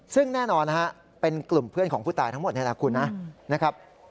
ซึ่งแน่นอนนะครับเป็นกลุ่มเพื่อนของผู้ตายทั้งหมดนะครับ